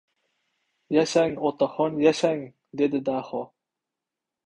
— Yashang, otaxon, yashang! — dedi Daho.